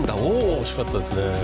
惜しかったですね。